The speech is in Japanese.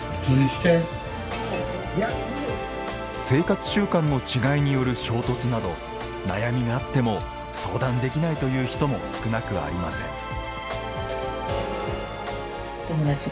生活習慣の違いによる衝突など悩みがあっても相談できないという人も少なくありません。